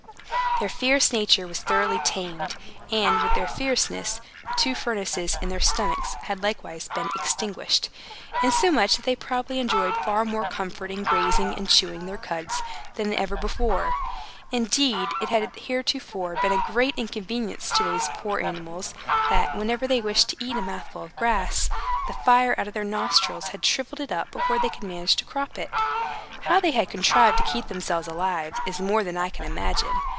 Their fierce nature was thoroughly tamed; and, with their fierceness, the two furnaces in their stomachs had likewise been extinguished, insomuch that they probably enjoyed far more comfort in grazing and chewing their cuds than ever before. Indeed, it had heretofore been a great inconvenience to these poor animals, that, whenever they wished to eat a mouthful of grass, the fire out of their nostrils had shriveled it up, before they could manage to crop it. How they contrived to keep themselves alive is more than I can imagine.